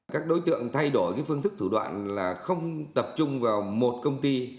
các đối tượng thay đổi phương thức thủ đoạn là không tập trung vào một công ty